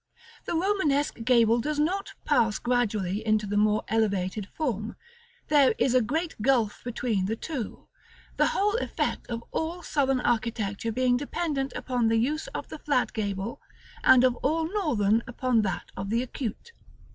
The Romanesque gable does not pass gradually into the more elevated form; there is a great gulf between the two; the whole effect of all Southern architecture being dependent upon the use of the flat gable, and of all Northern upon that of the acute.